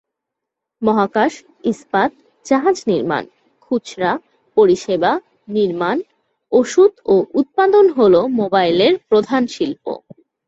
মহাকাশ, ইস্পাত, জাহাজ নির্মাণ, খুচরা, পরিষেবা, নির্মাণ, ওষুধ ও উৎপাদন হল মোবাইলের প্রধান শিল্প।